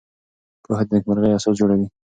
پوهه د نېکمرغۍ اساس جوړوي.